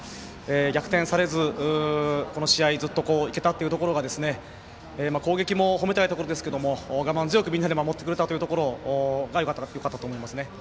逆転されずこの試合ずっといけたところが攻撃も褒めたいところですけど我慢強くみんなで守ってくれたというところがよかったと思いますね。